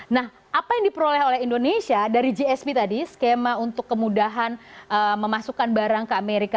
nah apa yang diperoleh oleh indonesia dari gsp tadi skema untuk kemudahan memasukkan barang ke amerika